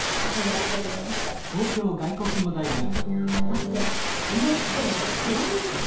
そしてＮＨＫの「手話ニュース」